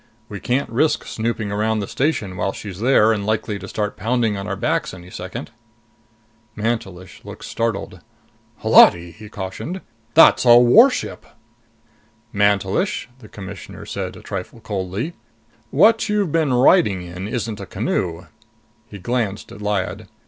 We can't risk snooping around the station while she's there and likely to start pounding on our backs any second." Mantelish looked startled. "Holati," he cautioned, "That's a warship!" "Mantelish," the Commissioner said, a trifle coldly, "what you've been riding in isn't a canoe." He glanced at Lyad.